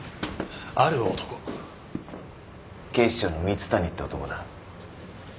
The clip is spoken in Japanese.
警視庁の蜜谷って男だ。